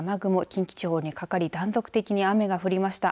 近畿地方にかかり断続的に雨が降りました。